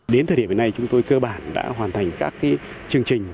đến thời điểm này chúng tôi cơ bản đã hoàn thành các chương trình